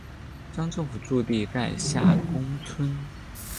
乡政府驻地在下宫村。